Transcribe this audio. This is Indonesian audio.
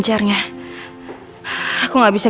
terima kasih reina